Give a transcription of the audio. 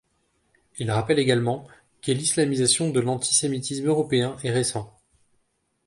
Il rappelle également qu' et l'islamisation de l'antisémitisme européen est récent.